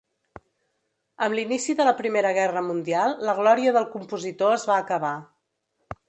Amb l’inici de la primera guerra mundial, la glòria del compositor es va acabar.